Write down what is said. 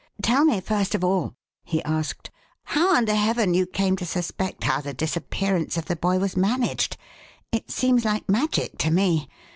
"Tell me first of all," he asked, "how under heaven you came to suspect how the disappearance of the boy was managed? It seems like magic, to me.